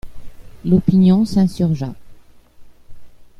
L'opinion s'insurgea.